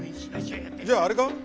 じゃああれか？